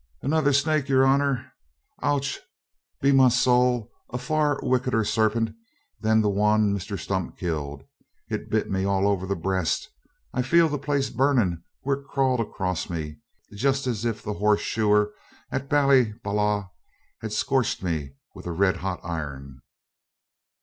"Another snake, yer hanner! Och! be me sowl! a far wickeder sarpent than the wan Misther Stump killed. It's bit me all over the breast. I feel the place burnin' where it crawled across me, just as if the horse shoer at Ballyballagh had scorched me wid a rid hot iron!"